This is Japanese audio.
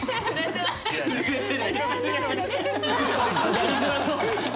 やりづらそう。